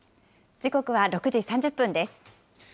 時刻は６時３０分です。